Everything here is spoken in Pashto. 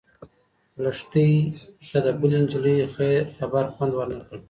لښتې ته د بلې نجلۍ خبر خوند ورنه کړ.